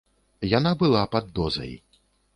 Яна была пад дозай.